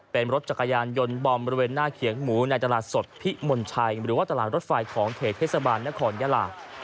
เป็นรถจักรยานยนต์บอมบริเวณหน้าเขียงหมูในตลาดสดพิมลชัยหรือว่าตลาดรถไฟของเขตเทศบาลนครยาลา